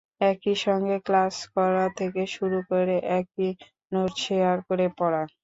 একই সঙ্গে ক্লাস করা থেকে শুরু করে একই নোট শেয়ার করে পড়া।